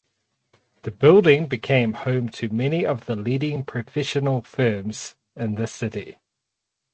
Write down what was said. The building became home to many of the leading professional firms in the city.